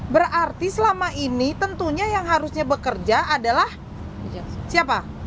berarti selama ini tentunya yang harusnya bekerja adalah siapa